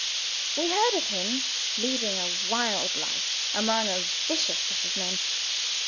We heard of him, leading a wild life, among a vicious set of men.